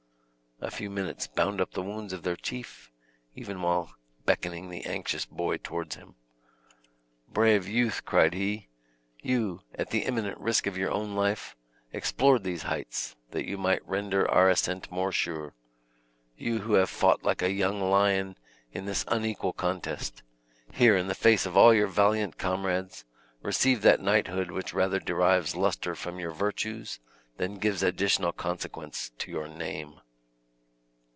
A few minutes bound up the wounds of their chief, even while beckoning the anxious boy towards him. "Brave youth," cried he, "you, at the imminent risk of your own life, explored these heights, that you might render our ascent more sure; you who have fought like a young lion in this unequal contest! here, in the face of all your valiant comrades, receive that knighthood which rather derives luster from your virtues than gives additional consequence to your name."